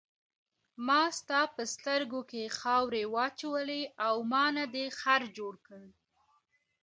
ما ستا په سترګو کې خاورې واچولې او ما نه دې خر جوړ کړ.